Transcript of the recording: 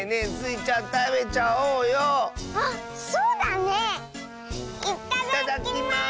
いただきます！